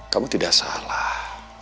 kamu tidak salah